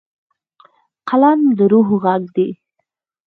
قلم د روح غږ دی.